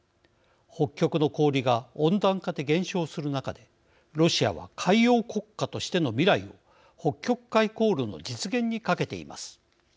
北極の氷が温暖化で減少する中でロシアは海洋国家としての未来を北極海航路の実現にかけています。